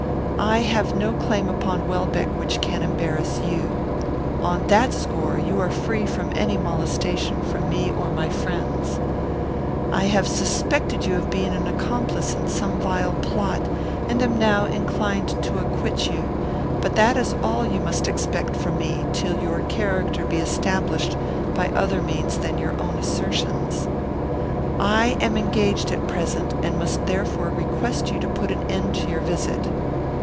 "I have no claim upon Welbeck which can embarrass you. On that score, you are free from any molestation from me or my friends. I have suspected you of being an accomplice in some vile plot, and am now inclined to acquit you; but that is all that you must expect from me, till your character be established by other means than your own assertions. I am engaged at present, and must therefore request you to put an end to your visit."